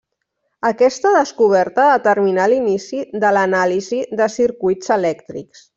Aquesta descoberta determinà l'inici de l'anàlisi de circuits elèctrics.